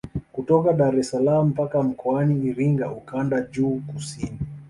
Kutokea Dar es salaam mpaka Mkoani Iringa ukanda juu kusini